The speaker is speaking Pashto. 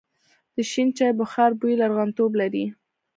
د شین چای بخار بوی لرغونتوب لري.